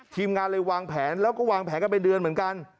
ทีมงานเลยวางแผนแล้วก็วางแผนกันเป็นเดือนเหมือนกัน